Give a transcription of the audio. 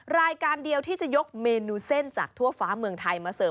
รายการเดียวที่จะยกเมนูเส้นจากทั่วฟ้าเมืองไทยมาเสิร์ฟ